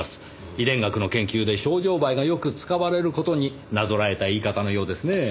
遺伝学の研究でショウジョウバエがよく使われる事になぞらえた言い方のようですねぇ。